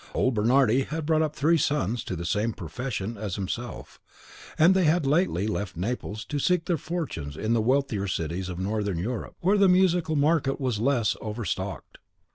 Old Bernardi had brought up three sons to the same profession as himself, and they had lately left Naples to seek their fortunes in the wealthier cities of Northern Europe, where the musical market was less overstocked.